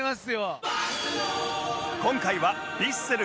今回はヴィッセル